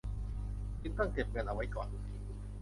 จึงต้องเก็บเงินเอาไว้ก่อน